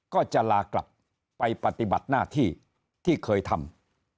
ก็จะลากลับไปปฏิบัติหน้าที่ที่เคยทำ